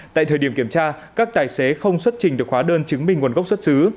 tại thời điểm kiểm tra các tài xế không xuất trình được hóa đơn chứng minh nguồn gốc xuất xứ